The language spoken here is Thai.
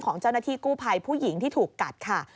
ของเจ้าหน้าที่กู้ภัยผู้หญิงที่ถูกกัดค่ะ